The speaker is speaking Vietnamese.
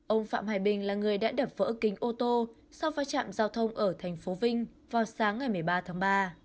ông phạm hải bình là người đã đập vỡ kính ô tô sau va chạm giao thông ở thành phố vinh vào sáng ngày một mươi ba tháng ba